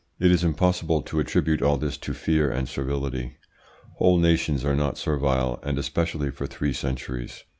... It is impossible to attribute all this to fear and servility. Whole nations are not servile, and especially for three centuries.